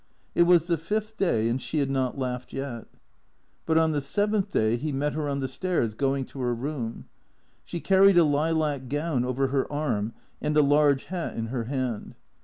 It was the fifth day, and she had not laughed yet. But on the seventh day he met her on the stairs going to her room. She carried a lilac gown over her arm and a large hat in her hand.